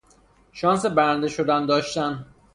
شانس برنده شدن داشتن